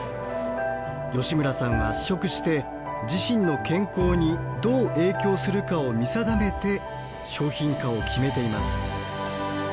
吉村さんは試食して自身の健康にどう影響するかを見定めて商品化を決めています。